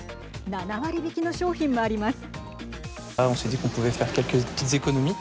７割引きの商品もあります。